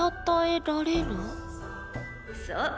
そう。